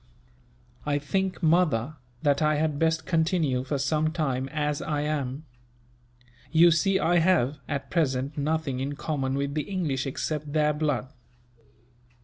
"I think, mother, that I had best continue, for some time, as I am. You see I have, at present, nothing in common with the English except their blood.